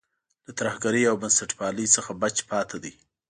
له ترهګرۍ او بنسټپالۍ څخه بچ پاتې دی.